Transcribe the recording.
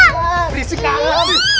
berisik banget abis